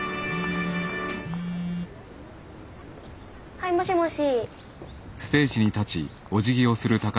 はいもしもし。